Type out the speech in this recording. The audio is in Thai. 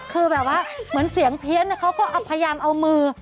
คือแบบว่าเหมือนเสียงเพี้ยนเขาก็พยายามเอามือ